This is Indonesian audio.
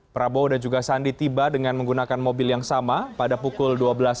prabowo dan juga sandi tiba dengan menggunakan mobil yang sama pada pukul dua belas tiga puluh